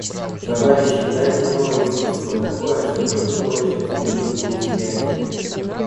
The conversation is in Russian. Товарищи, дайте новое искусство — такое, чтобы выволочь республику из грязи.